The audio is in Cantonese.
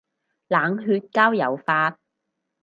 冷血交友法